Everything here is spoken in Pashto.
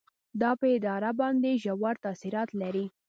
دا په اداره باندې ژور تاثیرات لري.